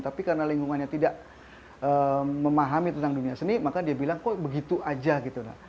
tapi karena lingkungannya tidak memahami tentang dunia seni maka dia bilang kok begitu aja gitu